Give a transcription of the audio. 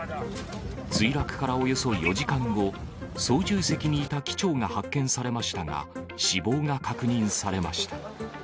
墜落からおよそ４時間後、操縦席にいた機長が発見されましたが、死亡が確認されました。